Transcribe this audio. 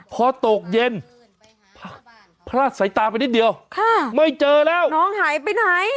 พอตกเย็นพลาดสายตาไปนิดเดียวไม่เจอแล้วน้องหายไปไหน